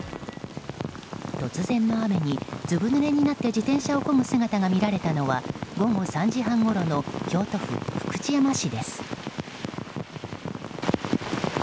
突然の雨に、ずぶぬれになって自転車をこぐ姿が見られたのは午後３時半ごろの京都府福知山市です。